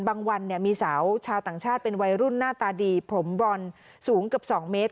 วันมีสาวชาวต่างชาติเป็นวัยรุ่นหน้าตาดีผมบรอนสูงเกือบ๒เมตร